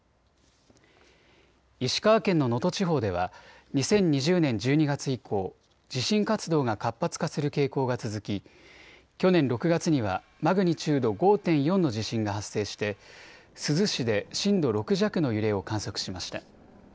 石川県の能登地方では２０２０年１２月以降、地震活動が活発化する傾向が続き去年６月にはマグニチュード５．４の地震が発生して珠洲市で震度６弱の揺れを観測しました。